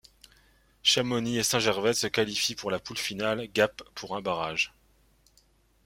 Chamonix et Saint-Gervais se qualifient pour la poule finale, Gap pour un barrage.